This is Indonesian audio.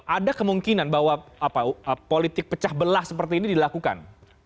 ada kemungkinan bahwa politik pecah belah seperti ini dilakukan